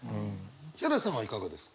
ヒャダさんはいかがですか？